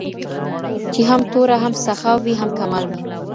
چي هم توره هم سخا وي هم کمال وي